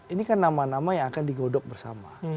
ini kan nama nama yang akan digodok bersama